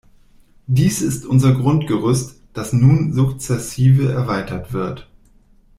Dies ist unser Grundgerüst, das nun sukzessive erweitert wird.